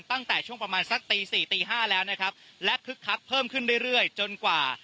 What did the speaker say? ตั้งแต่ช่วงประมาณสักตีสี่ตีห้าแล้วนะครับและคึกคักเพิ่มขึ้นเรื่อยจนกว่า